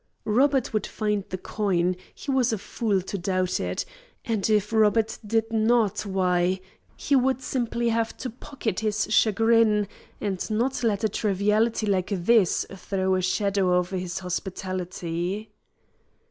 Robert would find the coin; he was a fool to doubt it; and if Robert did not, why, he would simply have to pocket his chagrin, and not let a triviality like this throw a shadow over his hospitality.